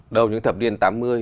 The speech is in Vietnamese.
đầu những thập niên tám mươi